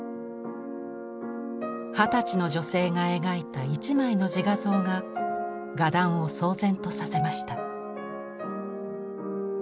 二十歳の女性が描いた一枚の自画像が画壇を騒然とさせました。